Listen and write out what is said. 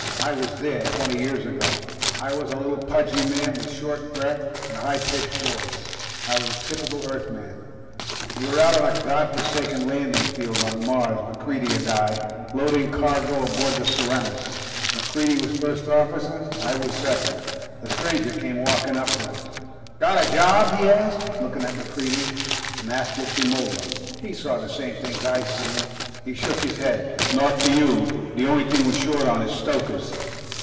I was there, twenty years ago. I was a little, pudgy man with short breath and a high pitched voice. I was a typical Earthman. We were out on a God forsaken landing field on Mars, MacReidie and I, loading cargo aboard the Serenus. MacReidie was First Officer. I was Second. The stranger came walking up to us. "Got a job?" he asked, looking at MacReidie. Mac looked him over. He saw the same things I'd seen. He shook his head. "Not for you. The only thing we're short on is stokers."